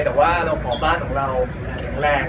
แต่ว่าในบ้านของเราก็แข็งแรง